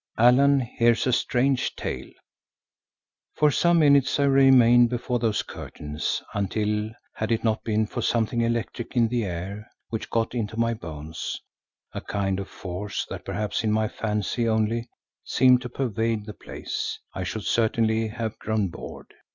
ALLAN HEARS A STRANGE TALE For some minutes I remained before those curtains until, had it not been for something electric in the air which got into my bones, a kind of force that, perhaps in my fancy only, seemed to pervade the place, I should certainly have grown bored.